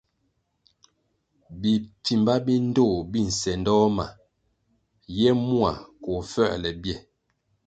Bipfimba bi ndtoh bi nsendoh ma ye mua koh fuerle bie.